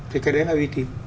thì cái đấy là uy tín